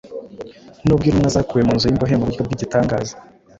Nubwo intumwa zakuwe mu nzu y’imbohe mu buryo bw’igitangaza,